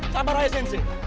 sahabat raya sensei